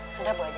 sudah bu aja